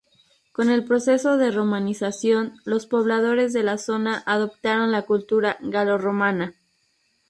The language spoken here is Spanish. Con el proceso de romanización, los pobladores de la zona adoptaron la cultura galorromana.